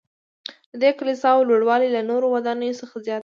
ددې کلیساوو لوړوالی له نورو ودانیو څخه زیات و.